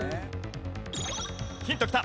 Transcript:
ヒントきた！